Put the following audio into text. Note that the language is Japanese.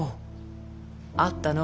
あったのぅ。